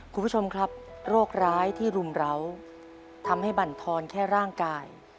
คุณผู้ชมครับโรคร้ายที่รุมร้าวทำให้บรรทอนแค่ร่างกาย